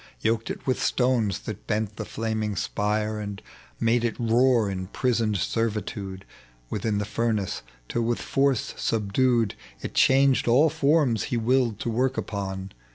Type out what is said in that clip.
Yoked it with stones that bent the flaming spire And made it roar in prisoned servitude Within tlie furnace, tOl with force subdued It changed all forms he willed to work upon.